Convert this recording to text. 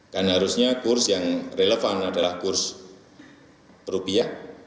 karena harusnya kurs yang relevan adalah kurs rupiah